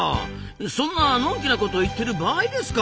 そんなのんきなこと言ってる場合ですか！